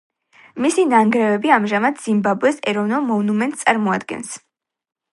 მისი ნანგრევები ამჟამად ზიმბაბვეს ეროვნულ მონუმენტს წარმოადგენს.